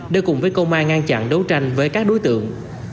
để cùng với công an ngăn chặn đấu tranh với các đối tượng